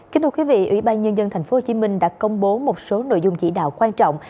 kính thưa quý vị ủy ban nhân dân tp hcm đã công bố một số nội dung chỉ đạo quan trọng